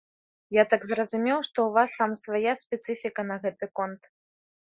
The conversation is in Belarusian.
Я так зразумеў, што ў вас там свая спецыфіка на гэты конт.